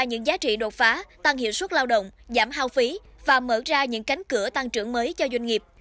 những giá trị đột phá tăng hiệu suất lao động giảm hao phí và mở ra những cánh cửa tăng trưởng mới cho doanh nghiệp